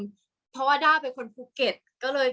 กากตัวทำอะไรบ้างอยู่ตรงนี้คนเดียว